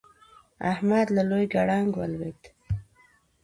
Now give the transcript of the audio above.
احمد له لوی ګړنګ ولوېد.